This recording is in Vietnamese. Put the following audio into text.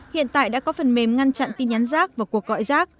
hiện tại đã có phần mềm ngăn chặn tin nhắn rác và cuộc gọi rác